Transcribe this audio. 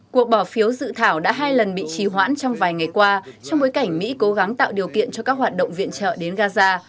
cuộc bỏ phiếu dự thảo đã hai lần bị trì hoãn trong vài ngày qua trong bối cảnh mỹ cố gắng tạo điều kiện cho các hoạt động viện trợ đến gaza